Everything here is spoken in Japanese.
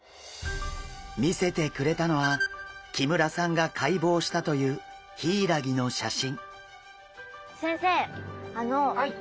見せてくれたのは木村さんが解剖したというヒイラギの写真。